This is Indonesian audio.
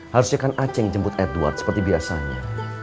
harusnya kan aceh jemput edward seperti biasanya